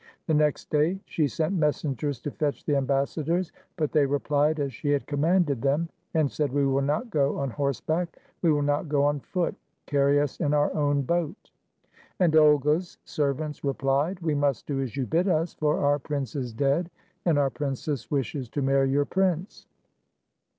The next day she sent messengers to fetch the ambassadors, but they replied as she had commanded them, and said, "We will not go on horseback, we will not go on foot. Carry us in our own boat." And Olga's servants replied, "We must do as you bid us, for our prince is dead, and our princess wishes to marry your prince."